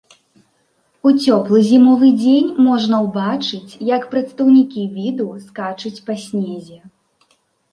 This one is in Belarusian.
У цёплы зімовы дзень можна ўбачыць як прадстаўнікі віду скачуць па снезе.